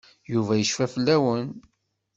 Yuba yecfa fell-awen.